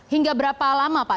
hingga berapa lama pak